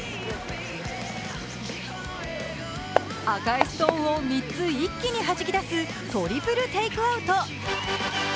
赤いストーンを３つ一気に弾き出すトリプルテイクアウト。